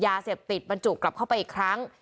ยาเสพติดบรรจุกลับเข้าไปอีกครั้ง